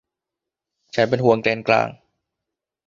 ฉันเป็นห่วงแกนกลาง